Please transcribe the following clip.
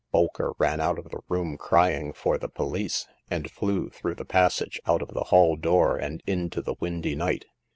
Bolker ran out of the room crying for the poHce, and flew through the passage, out of the hall door, and into the windy night.